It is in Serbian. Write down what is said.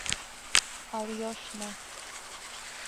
Али још не.